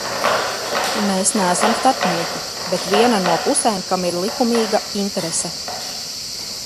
Mēs neesam starpnieki, bet viena no pusēm, kam ir likumīga interese.